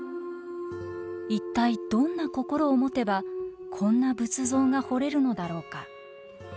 一体どんな心を持てばこんな仏像が彫れるのだろうか。